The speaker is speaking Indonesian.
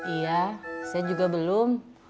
iya saya juga belum